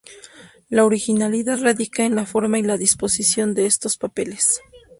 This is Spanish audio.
La originalidad radica en la forma y la disposición de estos papeles.